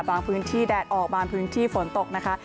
พื้นที่แดดออกบางพื้นที่ฝนตกนะคะ